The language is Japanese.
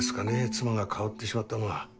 妻が変わってしまったのは。